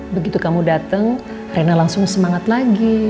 begitu kamu datang rena langsung semangat lagi